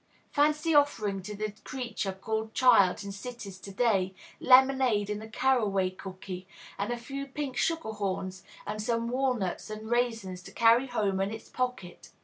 Fancy offering to the creature called child in cities to day, lemonade and a caraway cooky and a few pink sugar horns and some walnuts and raisins to carry home in its pocket!